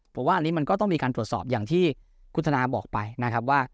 ผมว่าอันนี้มันก็ต้องมีการตรวจสอบอย่างที่คุณธนาบอกไปนะครับว่า